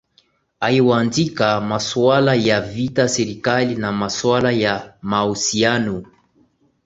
aye huandika maswala ya vita serikali na maswala ya mahusiano